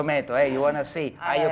kamu mau lihat kamu penasaran